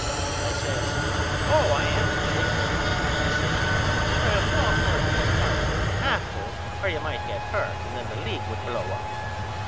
I says Oh I am in shape all right. He says Well don't work no harder than you have to or you might get hurt and then the league would blow up.